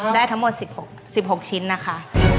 ได้ทั้งหมด๑๖ชิ้นนะคะ